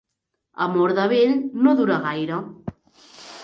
Amor de vell no dura gaire.